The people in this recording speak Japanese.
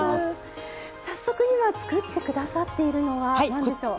早速今作ってくださっているのは何でしょう。